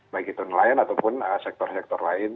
baik itu nelayan ataupun sektor sektor lain